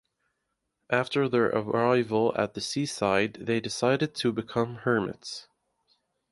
After their arrival at the seaside they decided to become hermits.